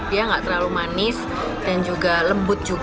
dia nggak terlalu manis dan juga lembut juga